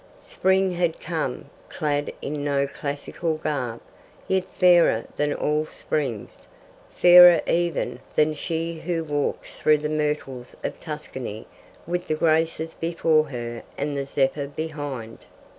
Spring had come, clad in no classical garb, yet fairer than all springs; fairer even than she who walks through the myrtles of Tuscany with the graces before her and the zephyr behind.